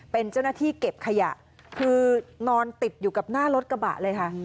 เป็นเจ้าหน้าที่เก็บขยะคือนอนติดอยู่กับหน้ารถกระบะเลยค่ะ